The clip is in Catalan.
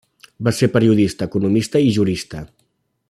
Va ser periodista, economista i jurista.